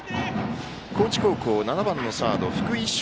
高知高校、７番のサード福井翔